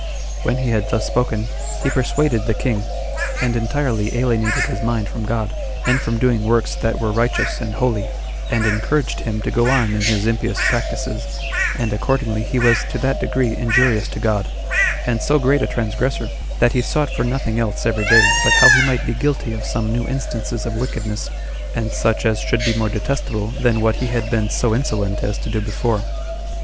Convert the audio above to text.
When he had thus spoken, he persuaded the king, and entirely alienated his mind from God, and from doing works that were righteous and holy, and encouraged him to go on in his impious practices 25 and accordingly he was to that degree injurious to God, and so great a transgressor, that he sought for nothing else every day but how he might be guilty of some new instances of wickedness, and such as should be more detestable than what he had been so insolent as to do before.